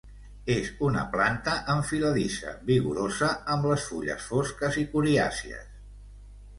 És una planta enfiladissa vigorosa amb les fulles fosques i coriàcies.